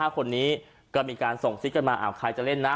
๕คนนี้ก็มีการส่งซิกกันมาใครจะเล่นนะ